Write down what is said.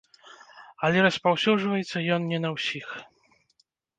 Але распаўсюджваецца ён не на ўсіх.